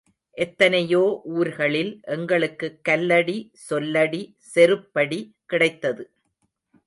எத்தனையோ ஊர்களில் எங்களுக்கு கல்லடி, சொல்லடி, செருப்படி கிடைத்தது.